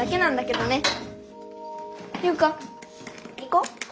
優花行こう。